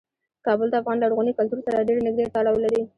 کابل د افغان لرغوني کلتور سره ډیر نږدې تړاو لري.